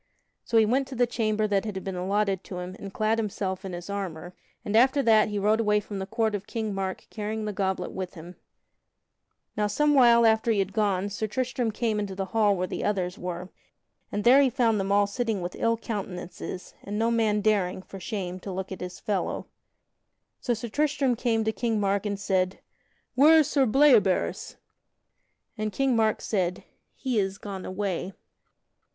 So he went to the chamber that had been allotted to him and clad himself in his armor, and after that he rode away from the court of King Mark carrying the goblet with him. [Sidenote: Sir Tristram is angry] Now some while after he had gone, Sir Tristram came into the hall where the others were, and there he found them all sitting with ill countenances, and no man daring, for shame, to look at his fellow. So Sir Tristram came to King Mark and said: "Where is Sir Bleoberis?" And King Mark said, "He is gone away."